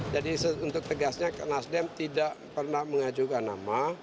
jadi untuk tegasnya nasdem tidak pernah mengajukan nama